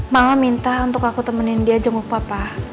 mama minta untuk aku temenin dia jenguk papa